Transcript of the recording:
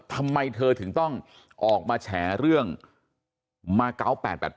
ทำไมเธอถึงต้องออกมาแฉเรื่องมาเกาะ๘๘๘